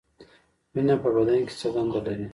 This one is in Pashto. وینه په بدن کې څه دنده لري؟